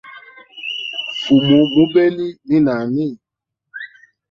Fumu mubeli ni nani?